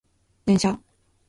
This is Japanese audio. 電車